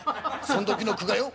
そん時の句がよ